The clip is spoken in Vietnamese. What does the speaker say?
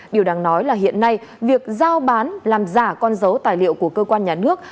điều đáng nói là hiện nay việc giao bán làm giả con dấu tài liệu của cơ quan nhà nước